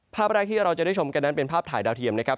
ภาพแรกที่เราจะได้ชมกันนั้นเป็นภาพถ่ายดาวเทียมนะครับ